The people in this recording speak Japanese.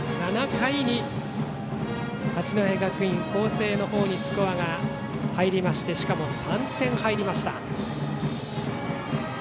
７回に八戸学院光星の方にスコアが入りましてしかも、３点入りました。